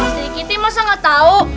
pak sri giti masa gak tau